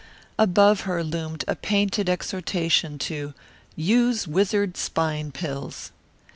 Above her loomed a painted exhortation to "Use Wizard Spine Pills."